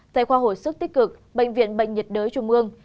tại khoa hồi sức tích cực bệnh viện bệnh nhiệt đới trung ương